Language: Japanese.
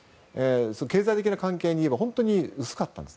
経済的な関係が本当に薄かったんです。